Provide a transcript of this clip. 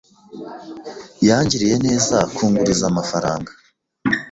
Yangiriye neza kunguriza amafaranga.